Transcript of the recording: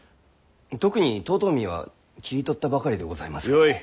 特に遠江は切り取ったばかりでございますゆえ。